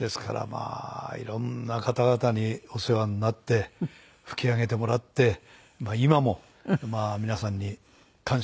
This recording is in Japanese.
ですからまあ色んな方々にお世話になって吹き上げてもらって今も皆さんに感謝の思いでいっぱいです。